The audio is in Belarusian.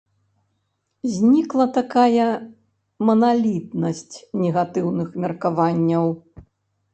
Знікла такая маналітнасць негатыўных меркаванняў.